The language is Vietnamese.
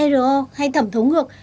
ro hay thẩm thống ngược